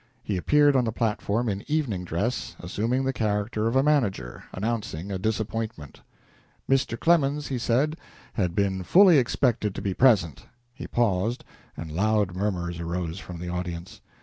He appeared on the platform in evening dress, assuming the character of a manager, announcing a disappointment. Mr. Clemens, he said, had fully expected to be present. He paused, and loud murmurs arose from the audience.